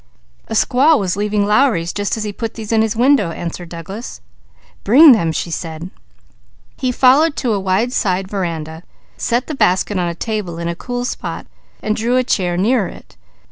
"A squaw was leaving Lowry's as he put these in his window," answered Douglas. "Bring them," she said. He followed to a wide side veranda, set the basket on a table in a cool spot, then drew a chair near it.